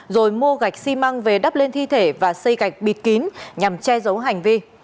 rồi mua gạch xi măng về đắp lên thi thể và xây gạch bịt kín nhằm che giấu hành vi